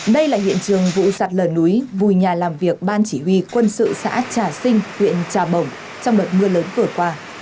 đây là hiện trường vụ sạt lở núi vùi nhà làm việc ban chỉ huy quân sự xã trà sinh huyện trà bồng trong đợt mưa lớn vừa qua